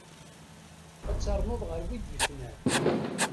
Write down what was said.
Ad ternuḍ ɣer wid yefnan.